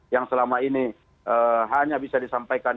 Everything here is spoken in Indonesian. yang selama ini hanya bisa disampaikan